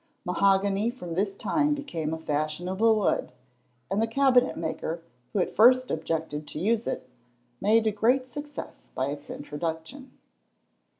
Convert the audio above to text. Mahogany from this time became a fashionable wood, and the cabinet maker, who at first objected to use it, made a great success by its introduction.